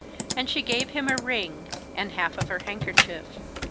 And she gave him a ring and half of her handkerchief.